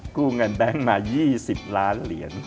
กู้เงินแบงค์มา๒๐ล้านเหรียญ